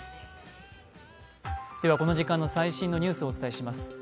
この時間の最新のニュースをお伝えします。